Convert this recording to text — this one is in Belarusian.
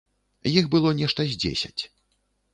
Іх было нешта з дзесяць.